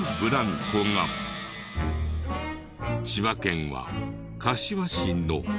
千葉県は柏市の。